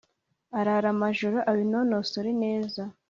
arara amajoro abinonosora neza.